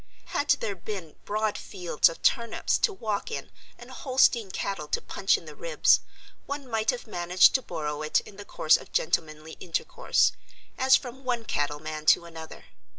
Had there been broad fields of turnips to walk in and Holstein cattle to punch in the ribs, one might have managed to borrow it in the course of gentlemanly intercourse, as from one cattle man to another.